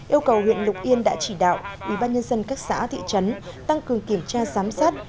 yêu cầu huyện lục yên đã chỉ đạo ủy ban nhân dân các xã thị trấn tăng cường kiểm tra giám sát